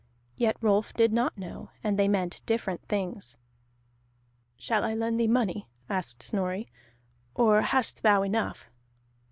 Yet Rolf did not know, and they meant different things. "Shall I lend thee money," asked Snorri, "or hast thou enough?"